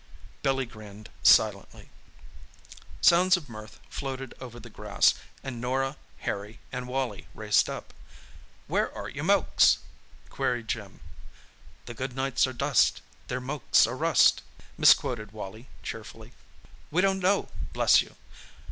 Billy grinned silently. Sounds of mirth floated over the grass, and Norah, Harry and Wally raced up. "Where are your mokes?" queried Jim. "The good knights are dust, Their mokes are rust," misquoted Wally cheerfully. "We don't know, bless you.